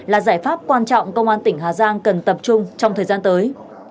là giải pháp quan trọng công an tỉnh hà giang cần tập trung trong thời gian tới